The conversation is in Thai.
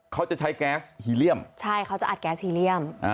เขาจะใช้แก๊สฮีเรียมใช่เขาจะอัดแก๊สฮีเรียม